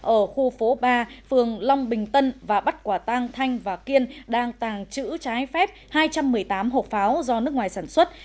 ở khu phố ba phường long bình tân và bắt quả tang thanh và kiên đang tàng trữ trái phép hai trăm một mươi tám hộp pháo do nước ngoài sản xuất